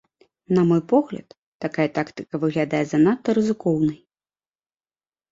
На мой погляд, такая тактыка выглядае занадта рызыкоўнай.